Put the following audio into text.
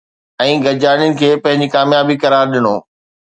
۽ گڏجاڻين کي پنهنجي ڪاميابي قرار ڏنو